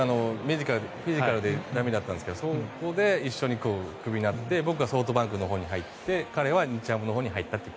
フィジカルで駄目だったんですけどそこで一緒にクビになって僕がソフトバンクのほうに入って彼は日ハムのほうに入ったという。